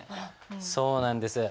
そうなんです。